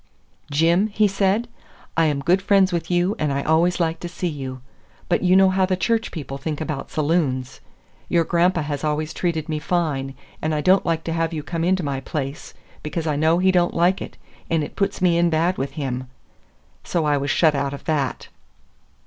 "Jim," he said, "I am good friends with you and I always like to see you. But you know how the church people think about saloons. Your grandpa has always treated me fine, and I don't like to have you come into my place, because I know he don't like it, and it puts me in bad with him." So I was shut out of that.